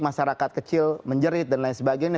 masyarakat kecil menjerit dan lain sebagainya